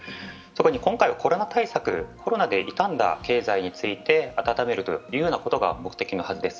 今回、コロナ対策、コロナで痛んだ経済に対して温めるということが目的のはずです。